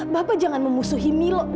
bapak jangan memusuhi milo